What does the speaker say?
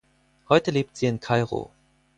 Heute lebt sie in Kairo.